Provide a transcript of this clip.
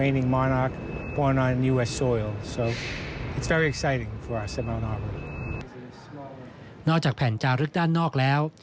นอกจากแผ่นจารึกด้านนอกแล้ว